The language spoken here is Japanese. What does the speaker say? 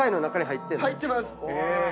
入ってます。